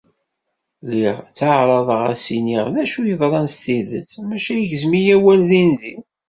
Lliɣ ttεaraḍeɣ ad s-iniɣ d acu yeḍran s tidet, maca igzem-iyi awal din din.